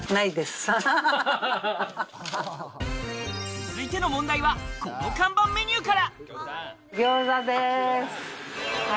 続いての問題はこの看板メニューから。